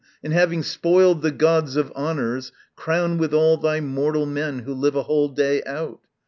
and having spoiled the gods Of honours, crown withal thy mortal men Who live a whole day out.